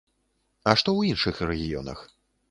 А што ў іншых рэгіёнах?